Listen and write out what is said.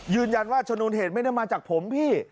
ยืนยันว่าชะนูนเหตุไม่ได้มาจากผมพี่